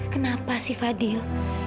kenapa sih fadil